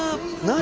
何？